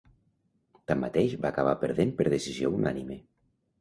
Tanmateix, va acabar perdent per decisió unànime.